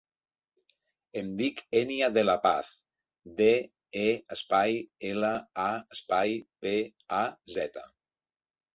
Em dic Ènia De La Paz: de, e, espai, ela, a, espai, pe, a, zeta.